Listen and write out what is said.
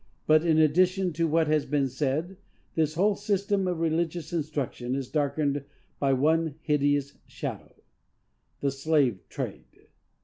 But, in addition to what has been said, this whole system of religious instruction is darkened by one hideous shadow,—THE SLAVE TRADE.